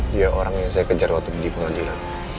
dia orang yang saya kejar waktu beli polonila